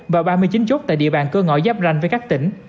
và ba mươi chín chốt tại địa bàn cơ ngõ giáp ranh với các tỉnh